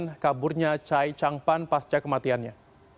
dan kaburnya chai chang pan pasca kematiannya